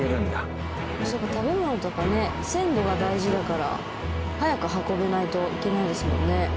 そうか食べ物とかね鮮度が大事だから早く運べないといけないですもんね。